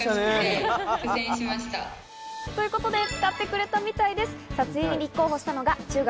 贈りがいがありましたね。ということで使ってくれたみたいです。